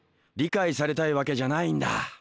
理解されたいわけじゃないんだ。